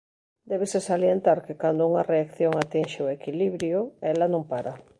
Débese salientar que cando unha reacción atinxe o equilibrio ela non para.